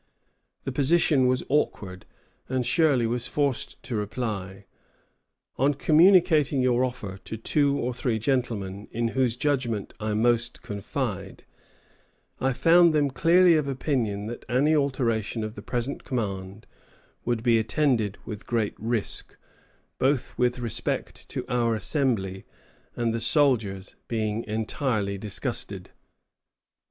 The position was awkward, and Shirley was forced to reply, "On communicating your offer to two or three gentlemen in whose judgment I most confide, I found them clearly of opinion that any alteration of the present command would be attended with great risk, both with respect to our Assembly and the soldiers being entirely disgusted."